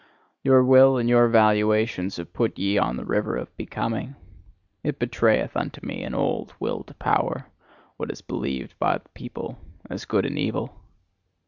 Your will and your valuations have ye put on the river of becoming; it betrayeth unto me an old Will to Power, what is believed by the people as good and evil.